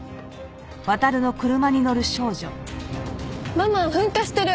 ママン噴火してる！